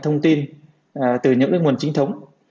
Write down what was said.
thông tin từ những nguồn chính thống